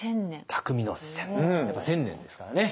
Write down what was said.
匠の千年やっぱ千年ですからね。